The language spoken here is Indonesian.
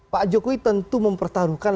pak jokowi tentu mempertaruhkan